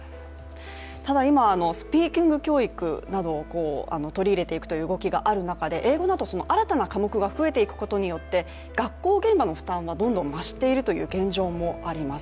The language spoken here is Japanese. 今、スピーキング教育などを取り入れていくという動きがある中で、英語だと新たな科目が増えていくことによって学校現場の負担がどんどん増しているという現状もあります。